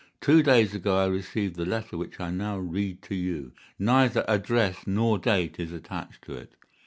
Two days ago I received the letter which I now read to you. Neither address nor date is attached to it.